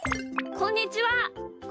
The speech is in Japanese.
こんにちは。